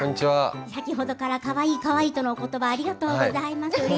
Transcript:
先ほどからかわいいかわいいとのおことばありがとうございます。